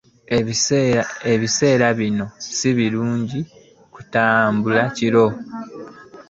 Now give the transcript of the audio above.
Ebiseera bino ssi birungi kutambula kiro.